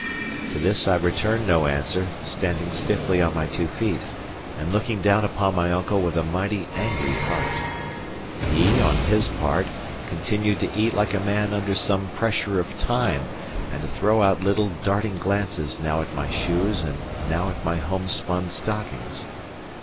To this I returned no answer, standing stiffly on my two feet, and looking down upon my uncle with a mighty angry heart. He, on his part, continued to eat like a man under some pressure of time, and to throw out little darting glances now at my shoes and now at my home spun stockings.